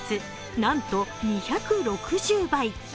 なんと２６０倍。